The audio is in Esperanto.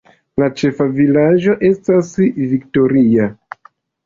La ĉefa vilaĝo estas Victoria.